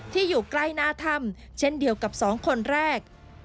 อยู่ใกล้หน้าถ้ำเช่นเดียวกับ๒คนแรก